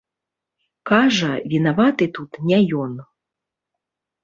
Кажа, вінаваты тут не ён.